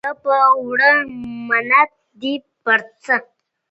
اوړه په اوړه، منت دي پرڅه؟